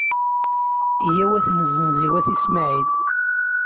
Yyaw ad t-nezzenz i wat Ismaɛil.